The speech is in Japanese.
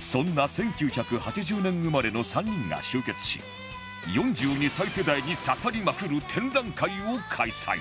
そんな１９８０年生まれの３人が集結し４２歳世代に刺さりまくる展覧会を開催